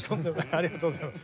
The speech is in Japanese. ありがとうございます。